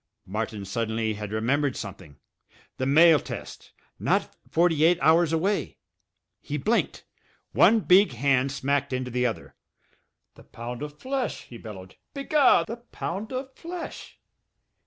Martin suddenly had remembered something. The mail test! Not forty eight hours away! He blinked. One big hand smacked into the other. "The pound of flesh!" he bellowed. "Be gar! The pound of flesh!"